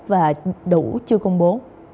và đủ chưa công bố